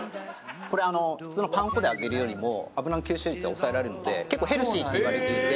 これ普通のパン粉で揚げるよりも油の吸収率を抑えられるので結構ヘルシーっていわれていて。